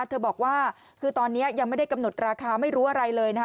เธอบอกว่าคือตอนนี้ยังไม่ได้กำหนดราคาไม่รู้อะไรเลยนะคะ